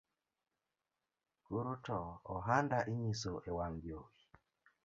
Koro to ohanda inyiso ewang’ jowi